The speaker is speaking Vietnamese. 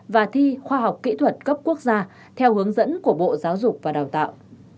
và thi khoa học kỹ thuật cấp quốc gia theo hướng dẫn của bộ giáo dục và đào tạo